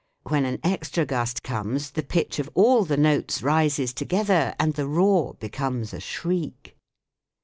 When an extra gust comes the pitch of all the notes rises together and the roar becomes a shriek.